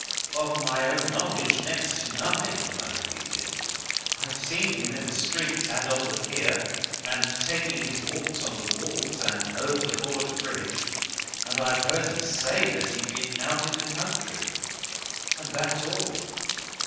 "Of my own knowledge, next to nothing," I repeated. "I've seen him in the streets, and on the pier, and taking his walks on the walls and over the Border Bridge; and I've heard him say that he'd been out in the country. And that's all."